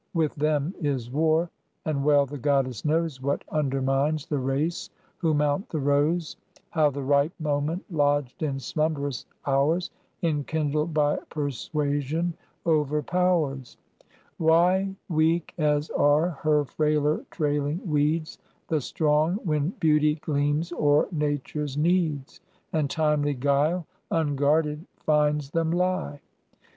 With them is war; and well the Goddess knows What undermines the race who mount the rose; How the ripe moment, lodged in slumberous hours, Enkindled by persuasion overpowers: Why weak as are her frailer trailing weeds, The strong when Beauty gleams o'er Nature's needs, And timely guile unguarded finds them lie.